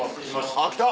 あっ来た。